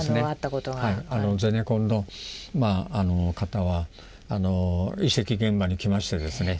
ゼネコンの方は遺跡現場に来ましてですね